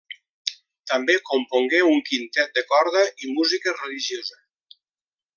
També compongué un quintet de corda i música religiosa.